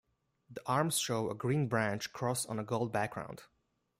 The arms show a green branch cross on a gold background.